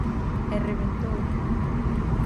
E rebentou.